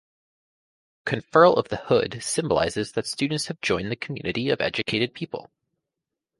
Conferral of the hood symbolizes that students have joined the community of educated people.